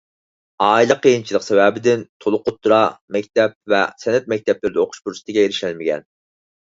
ئائىلە قىيىنچىلىق سەۋەبىدىن تولۇق ئوتتۇرا مەكتەپ ۋە سەنئەت مەكتەپلىرىدە ئوقۇش پۇرسىتىگە ئېرىشەلمىگەن.